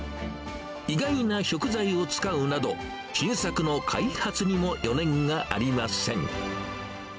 意外な食材を使うなど、新作の開発にも余念がありません。